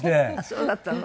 そうだったの。